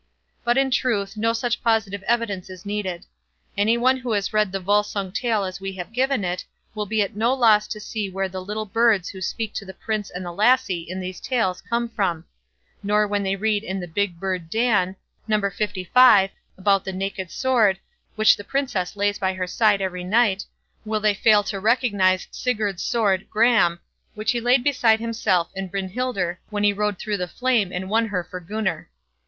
But, in truth, no such positive evidence is needed. Any one who has read the Volsung tale as we have given it, will be at no loss to see where the "little birds" who speak to the Prince and the lassie, in these tales, come from; nor when they read in the "Big Bird Dan", No. lv, about "the naked sword" which the Princess lays by her side every night, will they fail to recognize Sigurd's sword Gram, which he laid between himself and Brynhildr when he rode through the flame and won her for Gunnar.